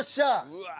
うわ。